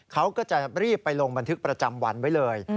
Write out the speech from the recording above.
เขาก็จะรีบไปลงบันทึกประจำวันไว้เลย